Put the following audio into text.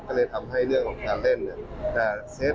ก็เลยทำให้เรื่องของการเล่นเนี่ย